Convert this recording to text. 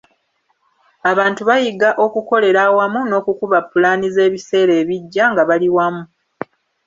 Abantu bayiga okukolera awamu n’okukuba pulaani z’ebiseera ebijja nga bali wamu.